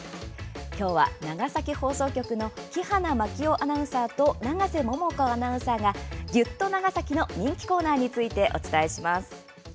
今日は、長崎放送局の木花牧雄アナウンサーと長瀬萌々子アナウンサーが「ぎゅっと！長崎」の人気コーナーについてお伝えします。